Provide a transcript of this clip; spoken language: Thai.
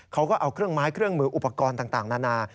เขาก็เอาเครื่องไม้เครื่องมืออุปกรณ์ต่างนานา